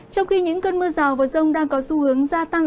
trong khi những cơn mưa rào và rông đang có xu hướng gia tăng